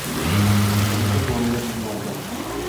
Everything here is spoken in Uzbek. «yuksak ma’naviyat» yillarida